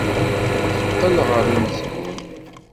Teqqel ɣer umezgun.